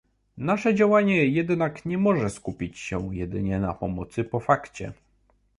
Nasze działanie jednak nie może skupiać się jedynie na pomocy po fakcie